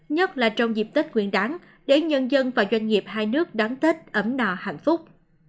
nhất là trong dịp tết nguyên đáng để nhân dân và doanh nghiệp hai nước đáng tết ấm nò hạnh phúc